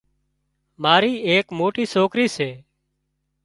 ماري ايڪ مجوٽي سوڪرِي سي